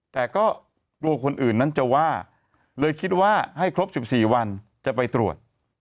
แต่ก็กลัวคนอื่นนั้นจะว่าเลยคิดว่าให้ครบ๑๔วันจะไปตรวจ